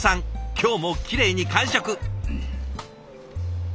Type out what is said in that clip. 今日もきれいに完食。